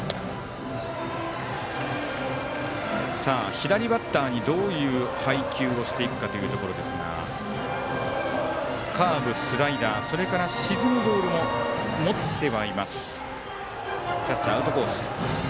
左バッターにどういう配球をしていくかというところですがカーブ、スライダーそれから沈むボールも持ってはいます。